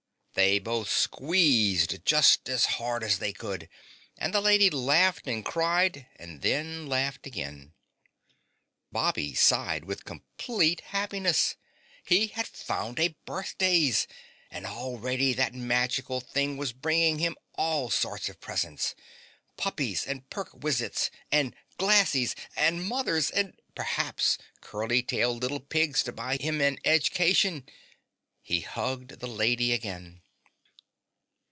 They both squeezed just as hard as they could and the Lady laughed and cried and then laughed again. Bobby sighed with complete happiness. He had found a birthdays and already that magical thing was bringing him all sorts of presents puppies and perk _wiz_its and "glassies" and mothers and perhaps curly tailed little pigs to buy him an edge cation. He hugged the Lady again.